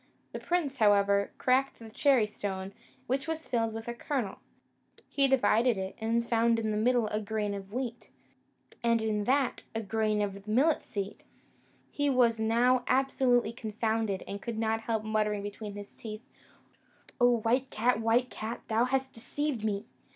The prince, however, cracked the cherry stone, which was filled with a kernel; he divided it, and found in the middle a grain of wheat, and in that a grain of millet seed. He was now absolutely confounded, and could not help muttering between his teeth, "O white cat, white cat, thou hast deceived me!"